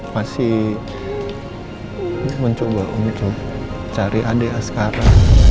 masih mencoba untuk cari adik sekarang